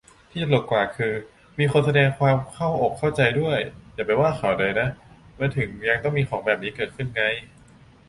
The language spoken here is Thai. ที่ตลกกว่าคือ มีคนแสดงความเข้าอกเข้าใจด้วย !"อย่าไปว่าเขาเลยนะ" มันถึงยังมีของแบบนี้เกิดขึ้นไง